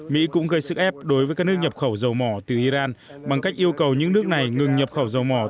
mỹ cũng gây sức ép đối với các nước nhập khẩu dầu mỏ từ iran bằng cách yêu cầu những nước này ngừng nhập khẩu dầu mỏ